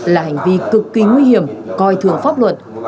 là hành vi cực kỳ nguy hiểm coi thường pháp luật